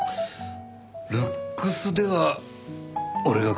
ルックスでは俺が勝ってる。